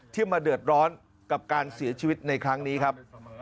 มาเดือดร้อนกับการเสียชีวิตในครั้งนี้ครับ